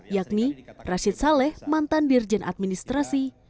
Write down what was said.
yakni rashid saleh mantan dirjen administrasi